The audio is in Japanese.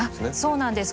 そうなんです。